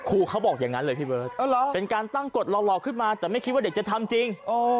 เขาบอกอย่างนั้นเลยพี่เบิร์ตเป็นการตั้งกฎหล่อขึ้นมาแต่ไม่คิดว่าเด็กจะทำจริง